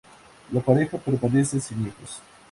La pareja permanece sin hijos.